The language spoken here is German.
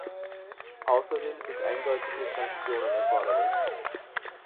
Außerdem sind eindeutige Sanktionen erforderlich.